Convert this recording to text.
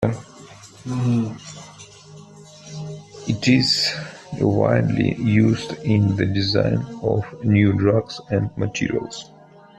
It is widely used in the design of new drugs and materials.